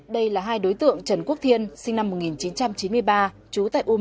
đây là hai đối tượng trần quốc thiên sinh năm một nghìn chín trăm chín mươi ba trú tại u một mươi